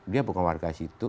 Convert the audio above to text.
dia bukan warga situ